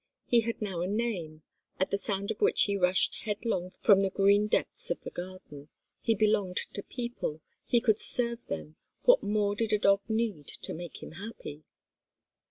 He had now a name, at the sound of which he rushed headlong from the green depths of the garden; he belonged to people, and could serve them. What more did a dog need to make him happy!